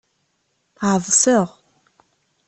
Ɛeḍseɣ.